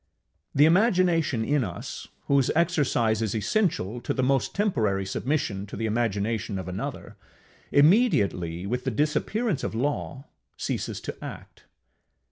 The imagination in us, whose exercise is essential to the most temporary submission to the imagination of another, immediately, with the disappearance, of Law, ceases to act.